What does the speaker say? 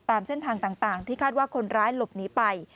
ตามเส้นทางต่างที่คาดว่าคนร้ายหลบหนีไป